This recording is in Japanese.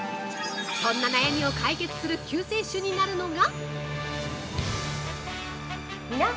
そんな悩みを解決する救世主になるのが。